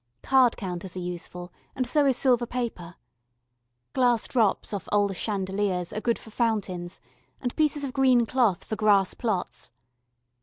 Card counters are useful, and so is silver paper. Glass drops off old chandeliers are good for fountains, and pieces of green cloth for grass plots.